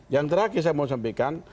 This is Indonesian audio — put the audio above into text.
yang terakhir saya mau sampaikan